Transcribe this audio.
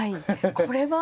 これは。